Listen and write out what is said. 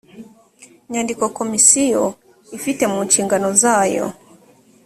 nyandiko komisiyo ifite mu nshingano zayo